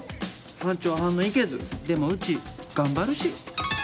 班長はんのいけずでもうち頑張るし。